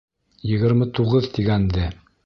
Егерме туғыҙ тигәнде.